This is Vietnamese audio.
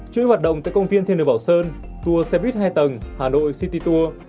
chuyên hoạt động tại công viên thiên nửa bảo sơn tour xe buýt hai tầng hà nội city tour